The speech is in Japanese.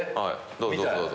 どうぞどうぞ。